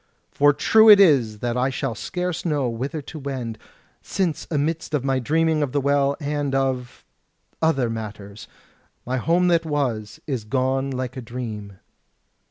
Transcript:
For true it is that I shall scarce know whither to wend; since amidst of my dreaming of the Well, and of...other matters, my home that was is gone like a dream."